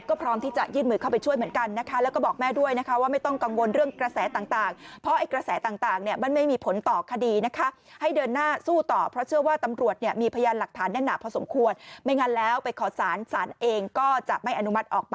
ก็พร้อมที่จะยินหมื่นเข้าไปช่วยเหมือนกัน